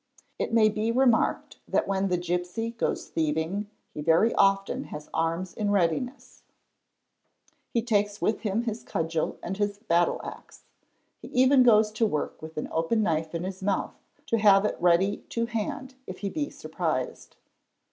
It may De remarked that when the gipsy goes thieving he very often has arms in readiness ; he takes with him his cudgel and his battle axe; he even goes to work with an open knife in his mouth to have it ready to hand if he be surprised.